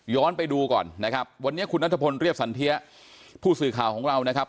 ไปดูก่อนนะครับวันนี้คุณนัทพลเรียบสันเทียผู้สื่อข่าวของเรานะครับ